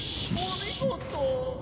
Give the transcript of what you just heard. お見事！